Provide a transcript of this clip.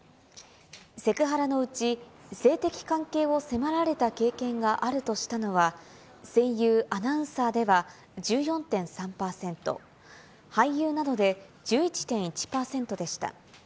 セクハラのうち、性的関係を迫られた経験があるとしたのは、声優・アナウンサーでは１４．３％、俳優などで１１．１％でした。